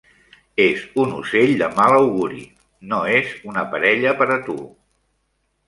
És un ocell de mal auguri, no és una parella per a tu.